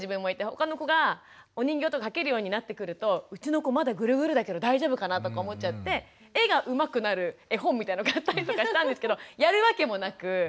他の子がお人形とか描けるようになってくるとうちの子まだグルグルだけど大丈夫かな？とか思っちゃって絵がうまくなる絵本みたいなのを買ったりとかしたんですけどやるわけもなく。